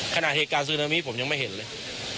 เหตุการณ์ซึนามิผมยังไม่เห็นเลย